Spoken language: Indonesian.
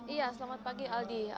iya selamat pagi aldi